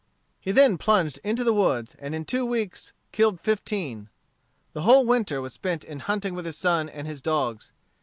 He then plunged into the woods, and in two weeks killed fifteen. The whole winter was spent in hunting with his son and his dogs.